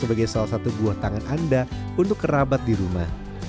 sebagai salah satu buah tangan anda untuk kerabat di rumah